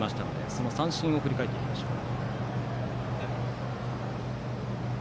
その三振を振り返りましょう。